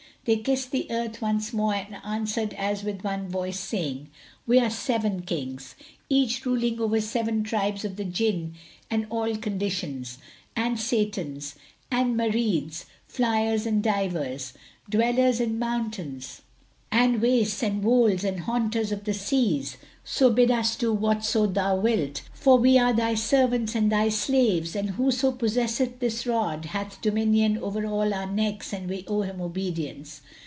They kissed the earth once more and answered as with one voice, saying, "We are seven Kings, each ruling over seven tribes of the Jinn of all conditions, and Satans and Marids, flyers and divers, dwellers in mountains and wastes and wolds and haunters of the seas: so bid us do whatso thou wilt; for we are thy servants and thy slaves, and whoso possesseth this rod hath dominion over all our necks and we owe him obedience."